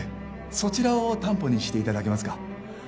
そちらを担保にしていただけますか？